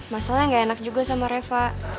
masalahnya gak enak juga sama reva